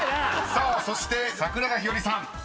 ［さあそして桜田ひよりさん］